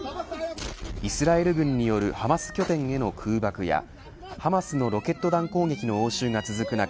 イスラエル軍によるハマス拠点への空爆やハマスのロケット弾攻撃の応酬が続く中